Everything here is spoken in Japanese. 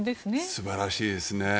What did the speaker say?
素晴らしいですね。